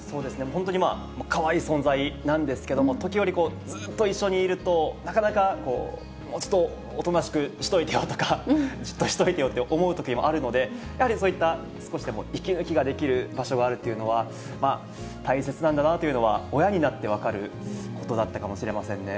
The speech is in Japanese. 本当にかわいい存在なんですけれども、時折、ずっと一緒にいると、なかなか、もうちょっとおとなしくしといてよとか、じっとしといてよと思うときもあるので、やはりそういった少しでも息抜きができる場所があるというのは、大切なんだなというのは、親になって分かることだったかもしれませんね。